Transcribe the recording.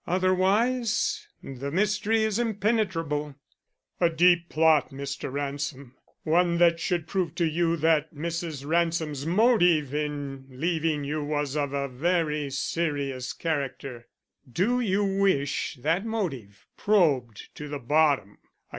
Otherwise the mystery is impenetrable. A deep plot, Mr. Ransom; one that should prove to you that Mrs. Ransom's motive in leaving you was of a very serious character. Do you wish that motive probed to the bottom?